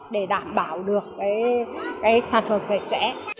để đảm bảo được cái sản phẩm rẻ rẻ